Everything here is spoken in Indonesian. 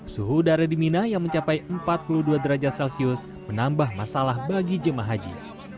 suhu udara di mina yang mencapai empat puluh dua derajat celcius menambah masalah bagi jemaah haji